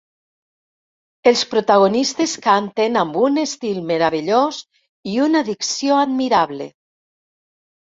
Els protagonistes canten amb un estil meravellós i una dicció admirable.